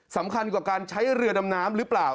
สำคัญกว่าการใช้เรือดำน้ำหรือเปล่า